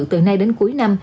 từ nay đến cuối năm